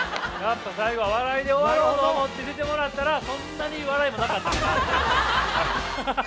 やっぱ最後は笑いで終わろうと思って出てもらったらそんなに笑いもなかったかなという。